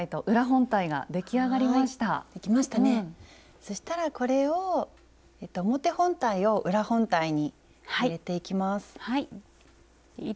そしたらこれを表本体を裏本体に入れていきます。